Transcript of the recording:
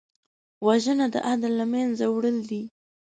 وژنه د عدل له منځه وړل دي